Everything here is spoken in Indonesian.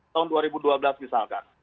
tahun dua ribu dua belas misalkan